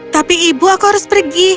tapi ibu aku harus pergi